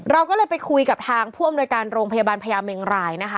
เราก็เลยไปคุยกับทางผู้อำนวยการโรงพยาบาลพญาเมงรายนะคะ